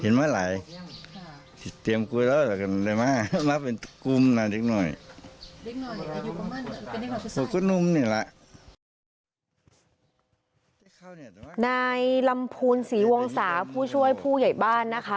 นายลำพูนศรีวงศาผู้ช่วยผู้ใหญ่บ้านนะคะ